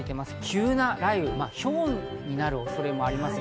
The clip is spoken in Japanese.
急な雷雨、ひょうが降る恐れもあります。